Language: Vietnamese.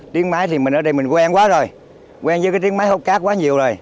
tiếng máy thì mình ở đây mình có quen quá rồi quen với cái tiếng máy hút cát quá nhiều rồi